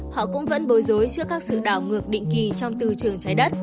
họ cũng vẫn bối rối trước các sự đảo ngược định kỳ trong tư trường trái đất